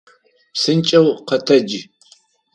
Псынкӏэу къэтэдж!